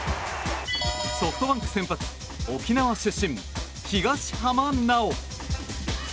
ソフトバンク先発沖縄出身、東浜巨。